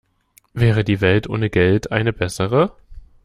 Wäre die Welt ohne Geld eine bessere?